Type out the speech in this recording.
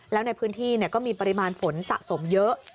แล้วในพื้นที่ก็มีปริมาณฝนสะสมเยอะ